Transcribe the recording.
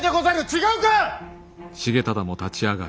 違うか！